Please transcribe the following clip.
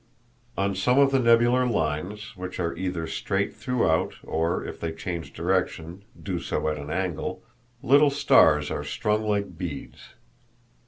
On some of the nebular lines, which are either straight throughout, or if they change direction do so at an angle, little stars are strung like beads.